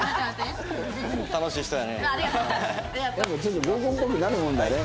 やっぱちょっと合コンっぽくなるもんだね。